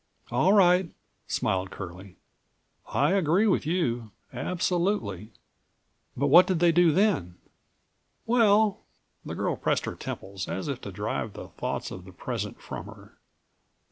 "All right," smiled Curlie, "I agree with you, absolutely, but what did they do then?" "Well," the girl pressed her temples as if to167 drive the thoughts of the present from her.